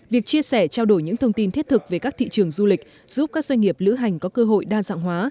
việc chia sẻ trao đổi những thông tin thiết thực về các thị trường du lịch giúp các doanh nghiệp lữ hành có cơ hội đa dạng hóa